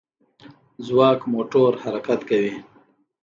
ځواک موټور حرکت کوي.